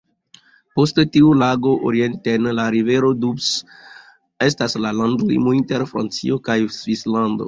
Post tiu lago orienten la rivero Doubs estas la landlimo inter Francio kaj Svislando.